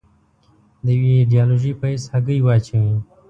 د یوې ایدیالوژۍ په حیث هګۍ واچوي.